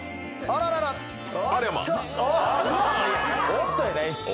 「おっと！」やないです。